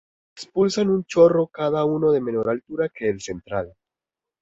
Expulsan un chorro cada uno de menor altura que el central.